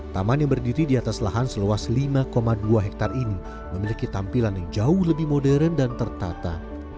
taman yang berdiri di atas lahan seluas lima dua hektare ini memiliki tampilan yang jauh lebih modern dan tertata